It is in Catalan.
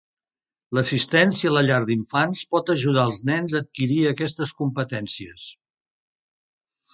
L'assistència a la llar d'infants pot ajudar els nens a adquirir aquestes competències.